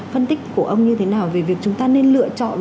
phân tích của ông như thế nào